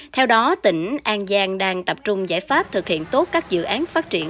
theo đó tỉnh an giang đang tập trung giải pháp thực hiện tốt các dự án phát triển